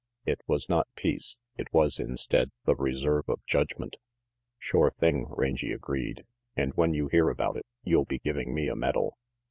It was not peace. It was, instead, the reserve of judgment. "Shore thing," Rangy agreed, "and when you hear about it, you'll be giving me a medal."